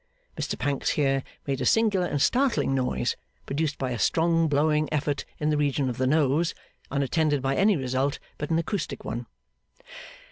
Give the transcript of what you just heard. Mr Pancks here made a singular and startling noise, produced by a strong blowing effort in the region of the nose, unattended by any result but that acoustic one.